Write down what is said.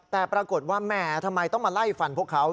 แต่ปรากฏว่าแหมทำไมต้องมาไล่ฟันพวกเขา